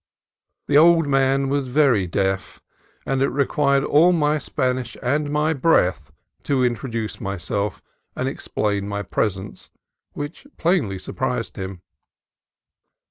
The old man was very deaf, and it required all my Spanish and my breath to introduce myself and explain my pres ence, which plainly surprised him.